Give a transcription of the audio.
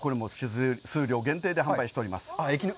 これも数量限定で販売しております。